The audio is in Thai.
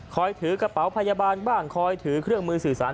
ถือกระเป๋าพยาบาลบ้างคอยถือเครื่องมือสื่อสาร